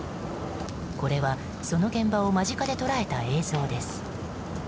これは、その現場を間近で捉えた映像です。